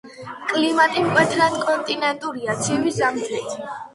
კლიმატი მკვეთრად კონტინენტურია, ცივი ზამთრით.